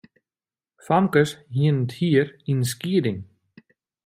Famkes hiene it hier yn in skieding.